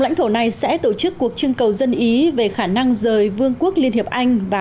lãnh thổ này sẽ tổ chức cuộc trưng cầu dân ý về khả năng rời vương quốc liên hiệp anh vào